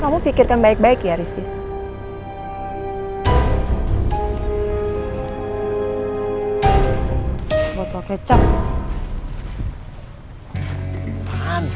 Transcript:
kamu pikirkan baik baik ya rizky